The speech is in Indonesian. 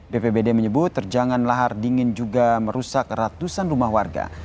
bpbd menyebut terjangan lahar dingin juga merusak ratusan rumah warga